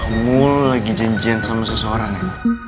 kamu lagi janjian sama seseorang ya